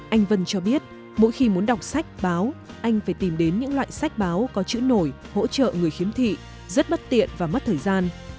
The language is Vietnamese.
anh vân cho biết mỗi khi muốn đọc sách báo anh phải tìm đến những loại sách báo có chữ nổi hỗ trợ người khiếm thị rất bất tiện và mất thời gian